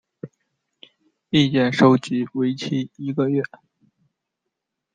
意见收集为期一个月。